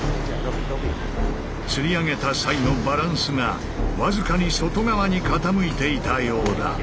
つり上げた際のバランスが僅かに外側に傾いていたようだ。